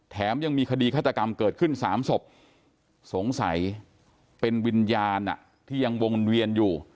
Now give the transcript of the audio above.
แถมยังมีคดีฆาตกรรมเกิดขึ้น๓ศพสงสัยเป็นวิญญาณที่ยังวนเวียนอยู่